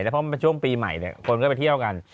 เพราะช่วงปีใหม่คนก็ไปเที่ยวกัน